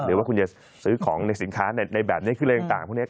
หรือว่าคุณจะซื้อของในสินค้าในแบบนี้คืออะไรต่างพวกนี้